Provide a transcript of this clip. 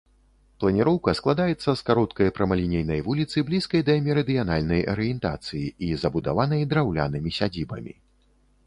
Планіроўка складаецца з кароткай прамалінейнай вуліцы, блізкай да мерыдыянальнай арыентацыі і забудаванай драўлянымі сядзібамі.